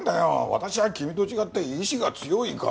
私は君と違って意志が強いから。